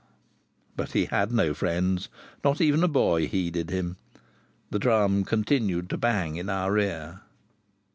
But he had no friends; not even a boy heeded him. The drum continued to bang in our rear.